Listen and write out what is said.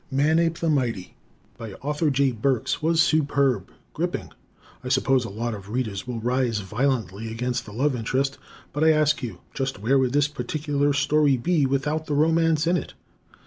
"Manape the Mighty," by Arthur J. Burks, was superb, gripping. I suppose a lot of Readers will rise violently against the love interest, but, I ask you, just where would this particular story be without the romance in it?